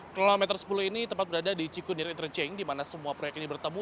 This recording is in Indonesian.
kilometer sepuluh ini tepat berada di cikunir internching di mana semua proyek ini bertemu